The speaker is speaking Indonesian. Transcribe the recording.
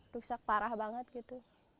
rusak parah banget gitu